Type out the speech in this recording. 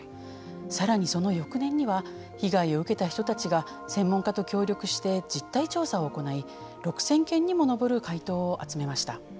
さらにその翌年には被害を受けた人たちが専門家と協力して実態調査を行い６０００件にも上る回答を集めました。